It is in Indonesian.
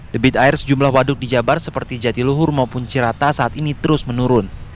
debit air sejumlah waduk di jabar seperti jatiluhur maupun cirata saat ini terus menurun